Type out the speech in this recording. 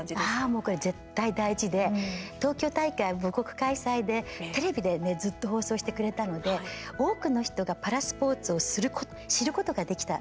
もうこれ絶対大事で東京大会、母国開催でテレビでずっと放送してくれたので多くの人がパラスポーツを知ることができた。